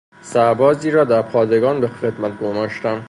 سربازی را در پادگان به خدمت گماشتن